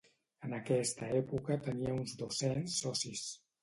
En aquesta època tenia uns dos-cents socis.